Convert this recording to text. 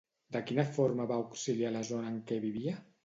De quina forma va auxiliar la zona en què vivia?